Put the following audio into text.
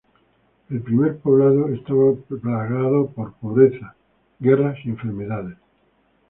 El primer poblado estaba plagado por pobreza, guerras y enfermedades.